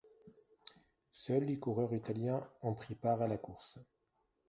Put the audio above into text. Seul des coureurs italiens ont pris part à la course.